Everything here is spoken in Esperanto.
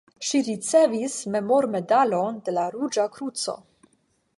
Ŝi ricevis memormedalon de la Ruĝa Kruco.